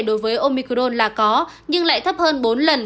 đối với omicron là có nhưng lại thấp hơn bốn lần